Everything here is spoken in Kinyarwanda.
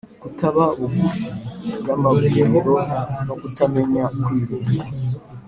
kutaba bugufi y’amavuriro no kutamenya kwirinda,